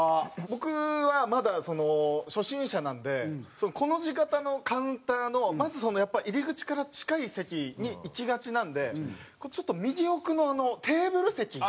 僕はまだその初心者なんでコの字形のカウンターのまずそのやっぱ入り口から近い席に行きがちなんでちょっと右奥のあのテーブル席。